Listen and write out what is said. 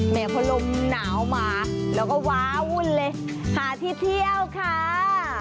แม่พะลมนาวมาเราก็ว้าวุ่นเลยหาที่เทียวค่า